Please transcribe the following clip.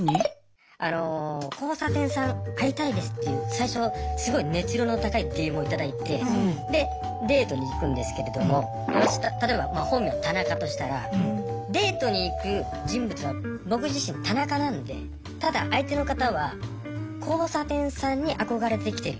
交差点さん会いたいですっていう最初すごい熱量の高いＤＭを頂いてでデートに行くんですけれども私例えば本名田中としたらデートに行く人物は僕自身田中なんでただ相手の方は交差点さんに憧れて来てる。